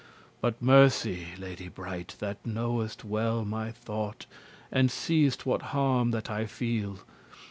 But mercy, lady bright, that knowest well My thought, and seest what harm that I feel.